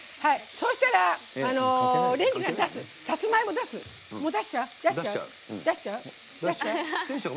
そうしたら、レンジからさつまいも出しちゃう？